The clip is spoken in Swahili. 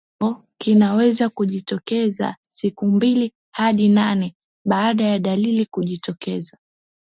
Kifo kinaweza kujitokeza siku mbili hadi nane baada ya dalili kujitokeza